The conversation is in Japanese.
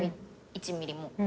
１ミリも。